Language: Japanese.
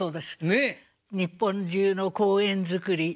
日本中の公園づくり